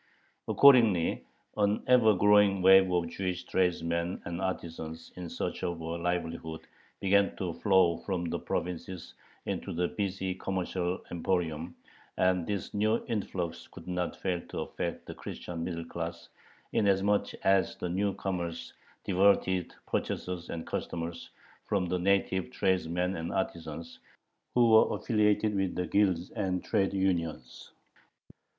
Accordingly an ever growing wave of Jewish tradesmen and artisans in search of a livelihood began to flow from the provinces into the busy commercial emporium, and this new influx could not fail to affect the Christian middle class, inasmuch as the new comers diverted purchasers and customers from the native tradesmen and artisans, who were affiliated with the guilds and trade unions.